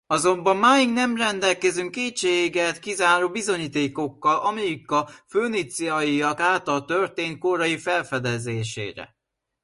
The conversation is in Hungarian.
Azonban máig nem rendelkezünk kétséget kizáró bizonyítékkal Amerika föníciaiak által történt korai felfedezésére.